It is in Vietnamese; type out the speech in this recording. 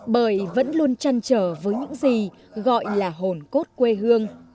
bởi vẫn luôn chăn trở với những gì gọi là hồn cốt quê hương